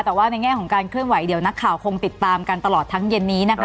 แต่ว่าในแง่ของการเคลื่อนไหวเดี๋ยวนักข่าวคงติดตามกันตลอดทั้งเย็นนี้นะคะ